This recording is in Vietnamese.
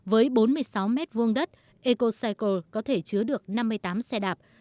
với bốn mươi sáu mét vuông đất ecocycle có thể chứa được năm mươi tám xe đạp